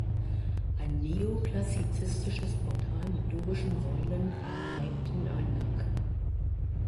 Ein neoklassizistisches Portal mit dorischen Säulen prägt den Eingang.